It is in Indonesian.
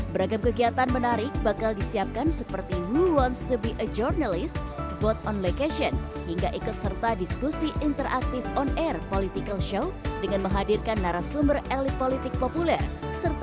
beragam kegiatan menarik bakal disiapkan seperti we wonst the be a journalist bot on location hingga ikut serta diskusi interaktif on air political show dengan menghadirkan narasumber elit politik populer